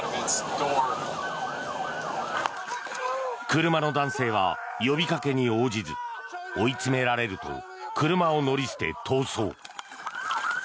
車の男性は呼びかけに応じず追いつめられると車を乗り捨て逃走。